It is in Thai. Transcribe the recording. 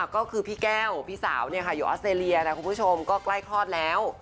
ก็คือพี่แก้วพี่สาวอยู่ออสเตรเลียนะคุณผู้ชมก็ใกล้คลอดแล้ว